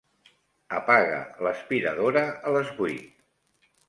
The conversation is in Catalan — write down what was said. Apaga l'aspiradora a les vuit.